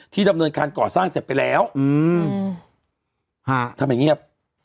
ที่ดำเนินคาดก่อสร้างเสร็จไปแล้วอืมฮะทำมาเงียบ